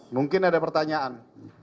mungkin ada pertanyaan